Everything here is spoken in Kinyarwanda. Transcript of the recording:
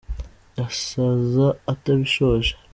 Yasaza atabishoje.